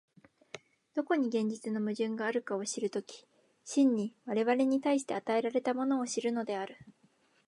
どこに現実の矛盾があるかを知る時、真に我々に対して与えられたものを知るのである。